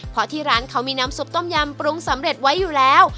เพราะที่ร้านเขามีน้ำซุปต้มยำปรุงสำเร็จไว้อยู่แล้ว